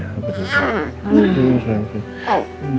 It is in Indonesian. nah kita ke kamar dedek sekalian